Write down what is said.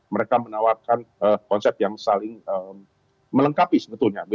mereka menawarkan konsep yang saling melengkapi sebetulnya